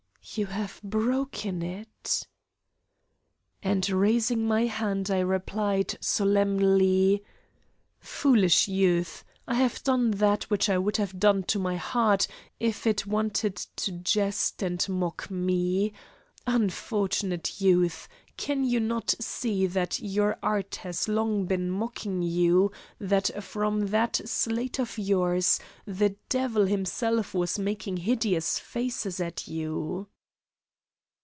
"You have broken it?" And raising my hand I replied solemnly: "Foolish youth, I have done that which I would have done to my heart if it wanted to jest and mock me! Unfortunate youth, can you not see that your art has long been mocking you, that from that slate of yours the devil himself was making hideous faces at you?"